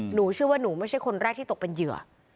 หนูเชื่อว่าหนูไม่ใช่คนแรกที่ตกเป็นเหยื่อ